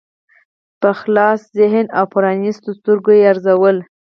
په خلاص ذهن او پرانیستو سترګو یې ارزول.